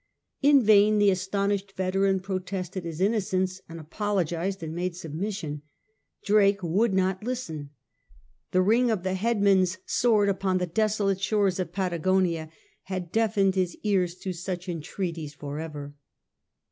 In vain the astonished veteran protested his innocence, apologised, and made submission. Drake woidd not listen. The ring of the headsman's sword upon the desolate shores of Patagonia had deafened his ears to such entreaties for ever.